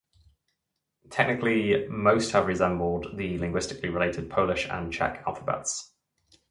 Technically, most have resembled the linguistically related Polish and Czech alphabets.